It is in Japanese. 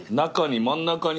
中に。